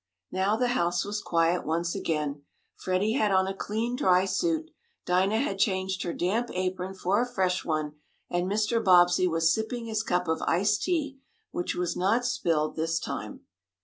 Now the house was quiet once again. Freddie had on a clean dry suit, Dinah had changed her damp apron for a fresh one, and Mr. Bobbsey was sipping his cup of iced tea, which was not spilled this time.